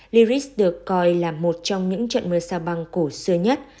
liris được coi là một trong những trận mưa sao bằng cổ xưa nhất